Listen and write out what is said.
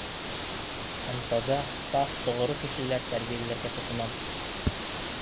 Һәм таҙа, саф, тоғро кешеләр тәрбиәләргә тотонам!